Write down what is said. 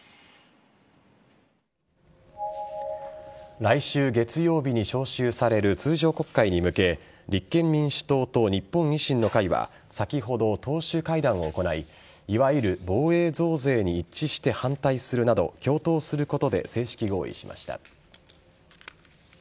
来週月曜日に召集される通常国会に向け立憲民主党と日本維新の会は先ほど、党首会談を行いいわゆる防衛増税に一致して反対するなど共闘することで正式合意しました。